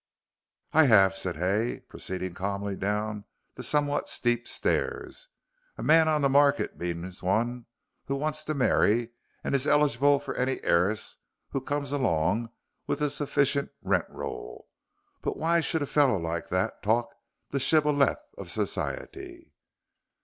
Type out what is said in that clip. "I have," said Hay, proceeding calmly down the somewhat steep stairs; "a man on the market means one who wants to marry and is eligible for any heiress who comes along with a sufficient rent roll. But why should a fellow like that talk the shibboleth of Society?"